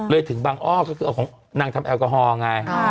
เลยถึงบังออกก็คือนางทำแอลกอฮอล์ไง